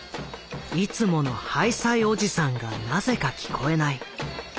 いつもの「ハイサイおじさん」がなぜか聞こえない。